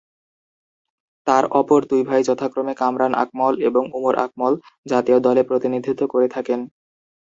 তার অপর দুই ভাই যথাক্রমে কামরান আকমল এবং উমর আকমল জাতীয় দলে প্রতিনিধিত্ব করে থাকেন।